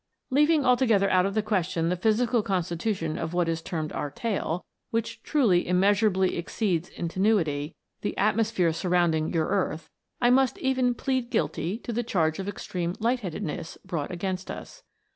Leaving altogether out of the ques tion the physical constitution of what is termed our tail, which truly immeasurably exceeds in tenuity the atmosphere surrounding your earth, I must even " plead guilty" to the charge of extreme " light headedness" brought against us.